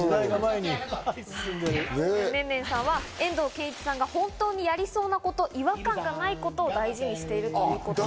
ねんねんさんは遠藤憲一さんが本当にやりそうなこと、違和感がないことを大事にしているということです。